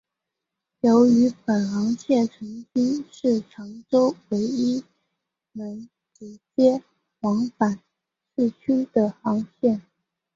由于本航线曾经是长洲唯一能直接往返市区的航线。